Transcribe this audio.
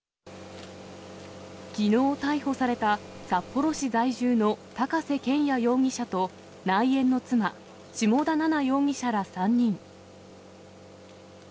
きのう逮捕された、札幌市在住の高瀬拳也容疑者と内縁の妻、下田和奈容疑者ら３人。